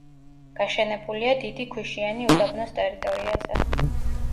გაშენებულია დიდი ქვიშიანი უდაბნოს ტერიტორიაზე.